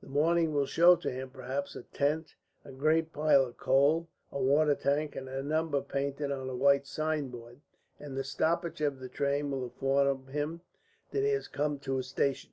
The morning will show to him, perhaps, a tent, a great pile of coal, a water tank, and a number painted on a white signboard, and the stoppage of the train will inform him that he has come to a station.